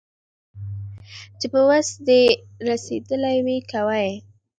چي په وس دي رسېدلي وي كوه يې